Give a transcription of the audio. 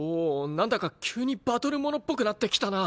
なんだか急にバトルものっぽくなってきたな。